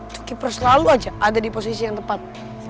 tuki pro selalu aja ada di posisi yang tepat